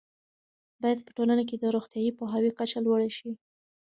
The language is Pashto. باید په ټولنه کې د روغتیايي پوهاوي کچه لوړه شي.